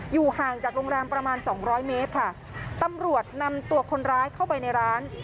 อยู่ห่างจากโรงแรมประมาณสองร้อยเมตรค่ะตำรวจนำตัวคนร้ายเข้าไปในร้าน